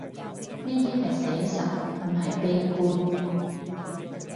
呢啲係寫實，唔係悲觀